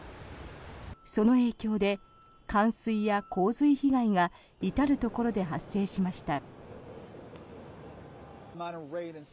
その影響で、冠水や洪水被害が至るところで発生しました。